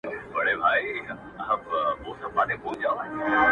له نیکونو په مېږیانو کي سلطان وو-